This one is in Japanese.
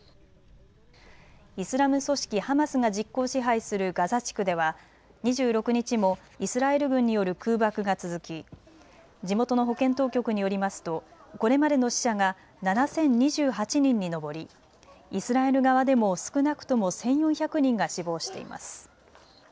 イスラム組織ハマスが実効支配するガザ地区では２６日もイスラエル軍による空爆が続き地元の保健当局によりますとこれまでの死者が７０２８人に上りイスラエル側でも少なくとも１４００人が死亡しています。